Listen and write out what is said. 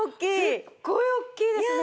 すっごい大きいですね。